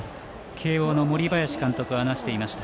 慶応の森林監督は話していました。